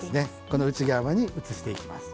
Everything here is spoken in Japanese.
この内釜に移していきます。